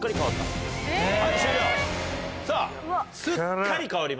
さぁすっかり変わりましたよ。